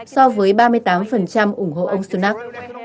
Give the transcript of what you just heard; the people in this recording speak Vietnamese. so với ba mươi tám ủng hộ ông sunak